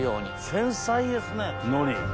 繊細ですね海苔。